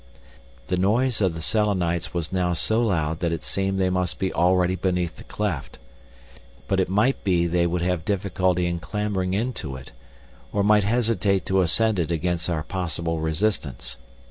The noise of the Selenites was now so loud that it seemed they must be already beneath the cleft. But it might be they would have difficulty in clambering in to it, or might hesitate to ascend it against our possible resistance.